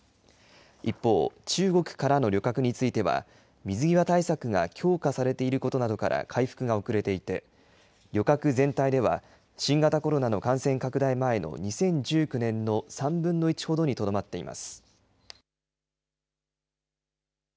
一方、中国からの旅客については、水際対策が強化されていることなどから回復が遅れていて、旅客全体では、新型コロナの感染拡大前の２０１９年の３分の１ほどにとどまっています。